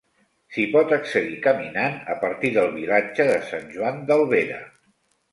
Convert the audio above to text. S'hi pot accedir caminant a partir del vilatge de Sant Joan d'Albera.